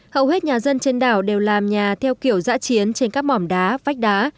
hầu hết nhà dân trên đảo đều làm nhà theo kiểu giã chiến trên các mỏm đá vách đá